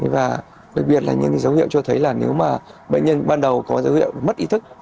và đặc biệt là những dấu hiệu cho thấy là nếu mà bệnh nhân ban đầu có dấu hiệu mất ý thức